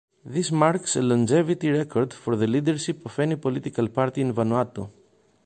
This marks a longevity record for the leadership of any political party in Vanuatu.